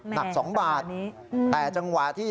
หนัก๒บาทแต่จังหวะที่